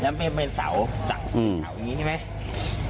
แล้วไม่เป็นเสาอย่างนี้ใช่ไหม